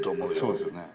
そうですよね。